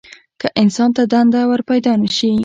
که انسان ته دنده ورپیدا نه شي.